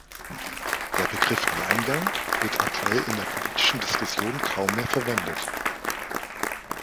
Der Begriff «Alleingang» wird aktuell in der politischen Diskussion kaum mehr verwendet.